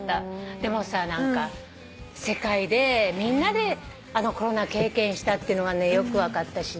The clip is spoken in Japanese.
でもさ何か世界でみんなであのコロナ経験したっていうのがねよく分かったしね。